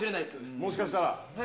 もしかしたら？